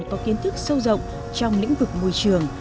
có kiến thức sâu rộng trong lĩnh vực môi trường